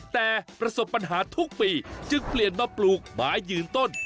แต่ประสบปัญหาทุกปีจึงเปลี่ยนมาปลูกไม้ยืนต้น